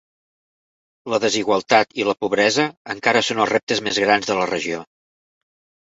La desigualtat i la pobresa encara són els reptes més grans de la regió.